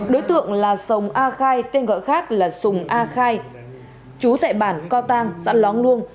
đối tượng là sồng a khai tên gọi khác là sùng a khai chú tại bản co tăng xã lóng luông